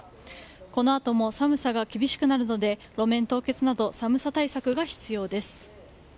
このあとも寒さが厳しくなるので路面凍結など寒さ対策が必要です。